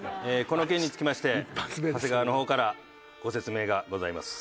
この件につきまして長谷川の方からご説明がございます。